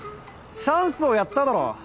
チャンスをやっただろ？